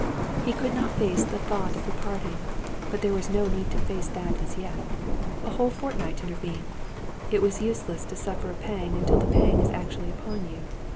He could not face the thought of the parting; but there was no need to face that as yet. A whole fortnight intervened. It is useless to suffer a pang until the pang is actually upon you.